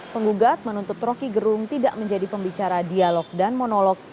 penggugat menuntut roky gerung tidak menjadi pembicara dialog dan monolog